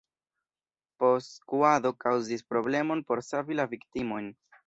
Postskuado kaŭzis problemon por savi la viktimojn.